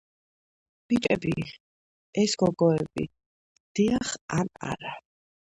ბიჭები ვს გოგოები დიახ ან არა